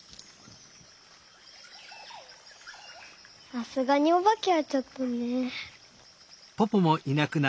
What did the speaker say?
さすがにおばけはちょっとね。